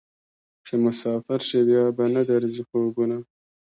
چې مسافر شې بیا به نه درځي خوبونه